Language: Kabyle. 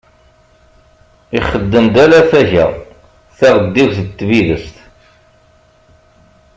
Ixeddem-d ala taga, taɣeddiwt d tbidest.